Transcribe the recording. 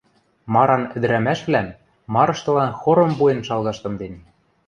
Маран ӹдӹрӓмӓшвлӓм марыштылан хором пуэн шалгаш тымден.